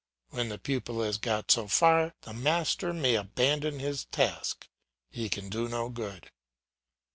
When the pupil has got so far, the master may abandon his task; he can do no good.